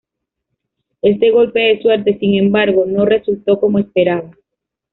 Este golpe de suerte, sin embargo, no resultó como esperaba.